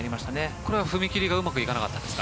これは踏み切りがうまくいかなかったですか？